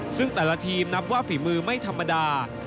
ซึ่งแต่ละทีมนับว่าฝีมือไม่ธรรมดา